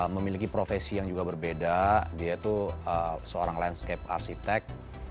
memiliki profesi yang juga berbeda dia itu seorang landscape arsitek